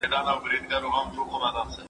ښار کرار کړي له دې هري شپې یرغله